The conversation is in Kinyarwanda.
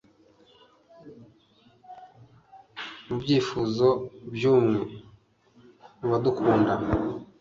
Mubyifuzo byumwe mubadukunda